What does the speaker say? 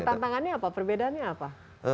tantangannya apa perbedaannya apa